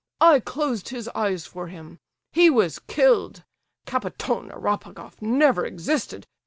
I closed his eyes for him—he was killed. Kapiton Eropegoff never existed!